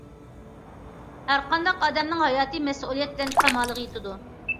ھەرقانداق ئادەمنىڭ ھاياتى مەسئۇلىيەت بىلەن كامالىغا يېتىدۇ.